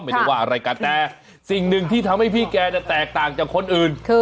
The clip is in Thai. ไม่ได้ว่าอะไรกันแต่สิ่งหนึ่งที่ทำให้พี่แกแตกต่างจากคนอื่น